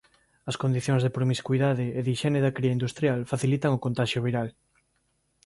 As condicións de promiscuidade e de hixiene da cría industrial facilitan o contaxio viral.